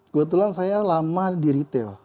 kebetulan saya lama di retail